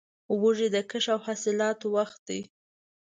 وږی د کښت او حاصلاتو وخت دی.